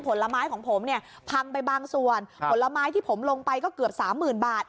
ผลไม้ของผมพังไปบางส่วนผลไม้ที่ผมลงไปก็เกือบ๓๐๐๐๐บาท